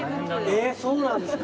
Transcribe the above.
えっそうなんですか。